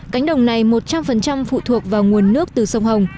cánh đồng này một trăm linh phụ thuộc vào nguồn nước từ sông hồng